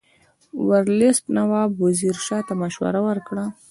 ورلسټ نواب وزیر ته مشوره ورکړه.